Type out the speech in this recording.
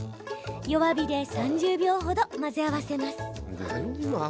弱火で３０秒ほど混ぜ合わせます。